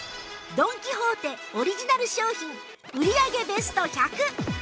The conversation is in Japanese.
ドン・キホーテオリジナル商品売り上げベスト１００